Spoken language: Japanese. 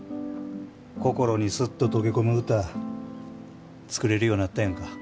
心にスッと溶け込む歌作れるようなったやんか。